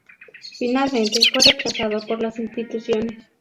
Finalmente, fue rechazado por las instituciones.